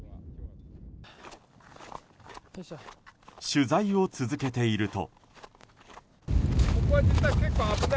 取材を続けていると。